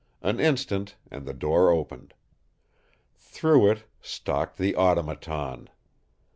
An instant, and the door opened. Through it stalked the Automaton.